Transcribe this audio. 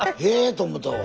と思たわ。